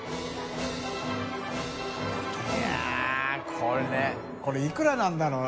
これこれいくらなんだろう？